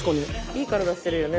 いい体してるよね